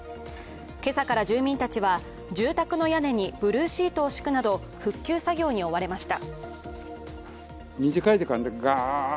今朝から住民たちは住宅の屋根にブルーシートを敷くなど復旧作業に追われました。